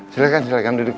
silahkan silahkan duduk